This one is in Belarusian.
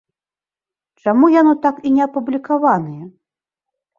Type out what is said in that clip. Чаму яно так і не апублікаванае?